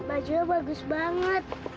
bajunya bagus banget